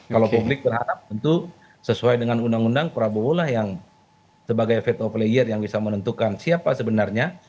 kalau publik berharap tentu sesuai dengan undang undang prabowo lah yang sebagai fed of layer yang bisa menentukan siapa sebenarnya